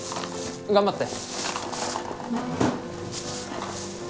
頑張って。